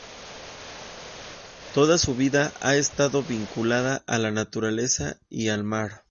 Toda su vida ha estado vinculada a la naturaleza y al mar.